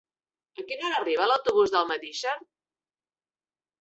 A quina hora arriba l'autobús d'Almedíxer?